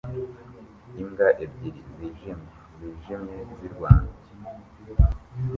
Imbwa ebyiri zijimye zijimye zirwana